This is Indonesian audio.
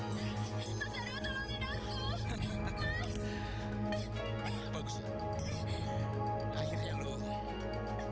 jangan yakin aku bisa nembak ratu aduh